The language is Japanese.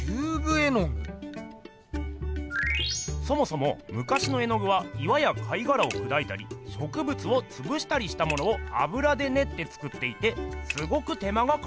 そもそもむかしの絵具は岩や貝がらをくだいたりしょくぶつをつぶしたりしたものをあぶらでねって作っていてすごく手間がかかっていました。